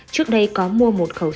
trước đây có mua một khẩu trang